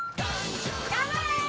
頑張れー！